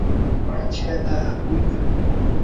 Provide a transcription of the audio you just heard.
machkata akuykan.